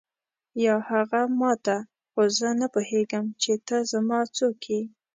یا هغه ما ته خو زه نه پوهېږم چې ته زما څوک یې.